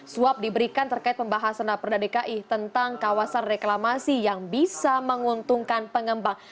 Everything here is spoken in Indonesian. suap diberikan terkait pembahasan raperda dki tentang kawasan reklamasi yang bisa menguntungkan pengembang